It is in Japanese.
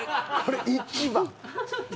これ一番。